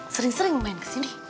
sering sering main kesini